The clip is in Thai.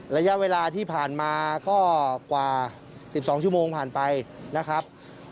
ระยะเวลาที่ผ่านมาก็กว่า๑๒ชั่วโมงผ่านไปนะครับ